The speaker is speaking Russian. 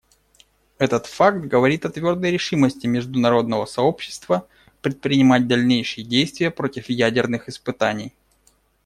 Этот факт говорит о твердой решимости международного сообщества предпринимать дальнейшие действия против ядерных испытаний.